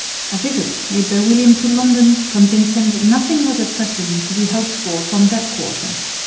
A visit made by William to London convinced him that nothing was at present to be hoped for from that quarter.